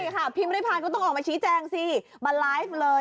ค่ะพิมริพานก็ต้องออกมาชี้แจงสิมาไลฟ์เลย